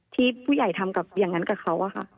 ที่ผู้ใหญ่ทำกับอย่างนั้นกับเขาอะค่ะ